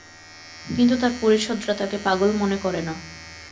কিন্তু তার পরিষদরা তাকে পাগল মনে করে না।